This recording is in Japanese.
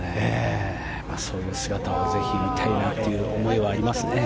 そういう姿をぜひ見たいなという思いはありますね。